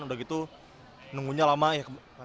udah gitu nunggunya lama ya